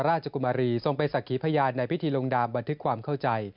ท่านจิตคุมมารีส่งไปสักขีพยานในพิธีโรงดาบบันทึกความเข้าใจ